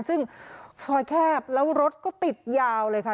ซึ่งซอยแคบแล้วรถก็ติดยาวเลยค่ะ